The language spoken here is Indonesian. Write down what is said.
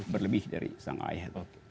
berlebih dari sang ayah